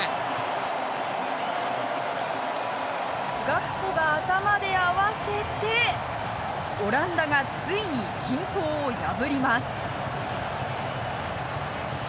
ガクポが頭で合わせてオランダがついに均衡を破ります。